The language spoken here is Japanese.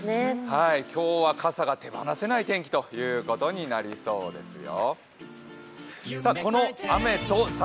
今日は傘が手放せない天気となりそうですよ。